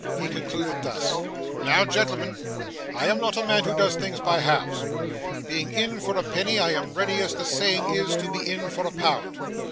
He concluded thus: 'Now, gentlemen, I am not a man who does things by halves. Being in for a penny, I am ready, as the saying is, to be in for a pound.